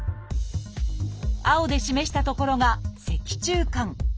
青で示した所が脊柱管。